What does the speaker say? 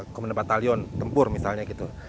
kemudian batalion tempur misalnya gitu